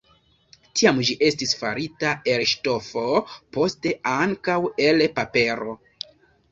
Tiam ĝi estis farita el ŝtofo, poste ankaŭ el papero.